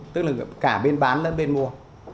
tức là cả bên bán lẫn bên mua